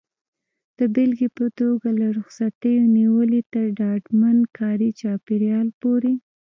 د بېلګې په توګه له رخصتیو نیولې تر ډاډمن کاري چاپېریال پورې.